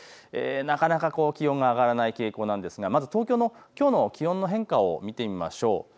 なかなか気温が上がらない傾向ですが東京のきょうの気温の変化を見てみましょう。